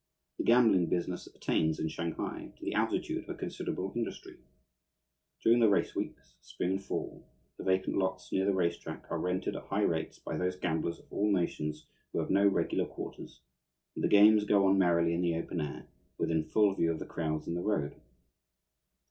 The gambling business attains, in Shanghai, to the altitude of a considerable industry. During the race weeks, spring and fall, the vacant lots near the race track are rented at high rates by those gamblers of all nations who have no regular quarters, and the games go on merrily in the open air, within full view of the crowds in the road.